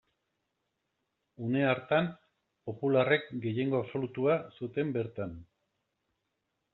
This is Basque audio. Une hartan, popularrek gehiengo absolutua zuten bertan.